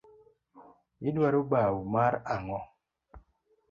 Idwaro bau mar ang’o?